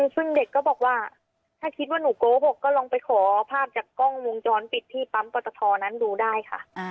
ซึ่งเด็กก็บอกว่าถ้าคิดว่าหนูโกหกก็ลองไปขอภาพจากกล้องวงจรปิดที่ปั๊มปตทนั้นดูได้ค่ะ